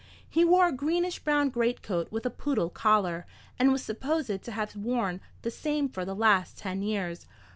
He wore a greenish brown greatcoat with a poodle collar, and was supposed to have worn the same for the last ten years.